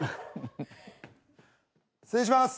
失礼します。